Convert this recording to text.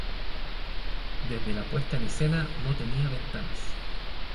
Desde la puesta en escena no tenía ventanas.